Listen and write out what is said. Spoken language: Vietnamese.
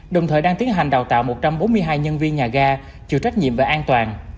đồng thời đang tiến hành đào tạo một trăm bốn mươi hai nhân viên nhà ga chịu trách nhiệm về an toàn